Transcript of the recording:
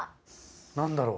何だろう？